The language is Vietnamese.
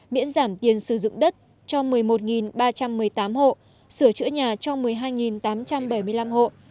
miễn giảm tiền sử dụng đất cho một mươi một ba trăm một mươi tám hộ sửa chữa nhà cho một mươi hai tám trăm bảy mươi năm hộ